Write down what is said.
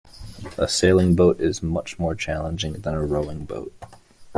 A sailing boat is much more challenging than a rowing boat